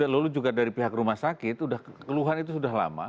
lalu juga dari pihak rumah sakit keluhan itu sudah lama